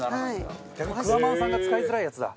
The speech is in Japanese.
クワマンさんが使いづらいやつだ。